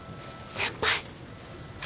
先輩！